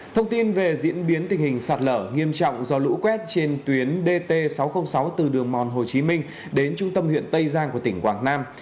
thông tin về diễn biến tình hình sạt lở nghiêm trọng do lũ quét trên tuyến dt sáu trăm linh sáu từ đường mòn hồ chí minh đến trung tâm huyện tây giang của tỉnh quảng nam